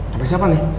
hape siapa nih